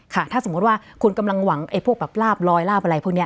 ค่ะถ้าสมมุติว่าคุณกำลังหวังไอ้พวกแบบลาบลอยลาบอะไรพวกนี้